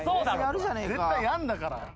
絶対やんだから。